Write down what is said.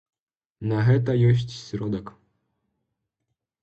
На гэта ёсць сродак.